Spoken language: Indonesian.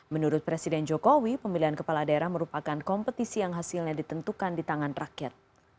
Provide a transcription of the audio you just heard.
menurut presiden jokowi pemilihan kepala daerah merupakan kompetisi yang hasilnya ditentukan di tangan rakyat